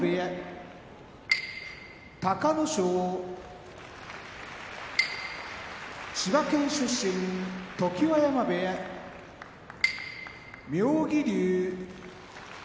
隆の勝千葉県出身常盤山部屋妙義龍